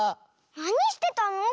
なにしてたの？